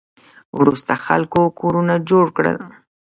وروسته خلکو کورونه جوړ کړل